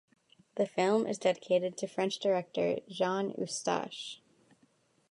The film is dedicated to French director Jean Eustache.